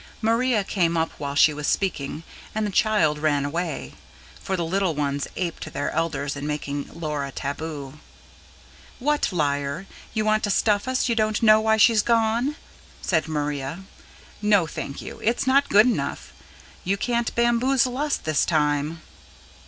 Maria came up while she was speaking, and the child ran away; for the little ones aped their elders in making Laura taboo. "What, liar? You want to stuff us you don't know why she's gone?" said Maria. "No, thank you, it's not good enough. You can't bamboozle us this time."